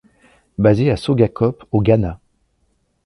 Basé à Sogakope au Ghana.